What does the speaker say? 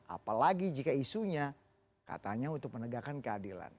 apalagi jika isunya katanya untuk menegakkan keadilan